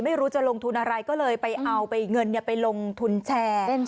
ไม่รู้จะลงทุนอะไรก็เลยไปเอาไปเงินไปลงทุนแชร์